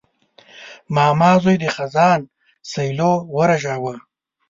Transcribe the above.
ماما زوی د خزان سیلیو ورژاوه.